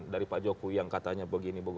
dari pak jokowi yang katanya begini